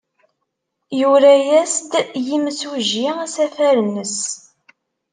Yura-as-d yimsujji asafar-nnes.